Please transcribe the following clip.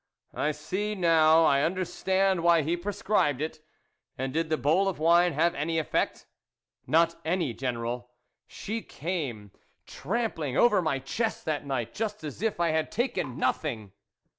" I see ; now I understand why he pre scribed it. And did the bowl of wine have any effect ?" "Not any, General; she came tramp ling over my chest that night, just as if 1 had taken nothing."